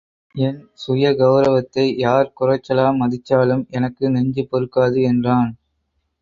என் சுயகெளரவத்தை யார் குறைச்சலா மதிச்சாலும் எனக்கு நெஞ்சு பொறுக்காது என்றான்.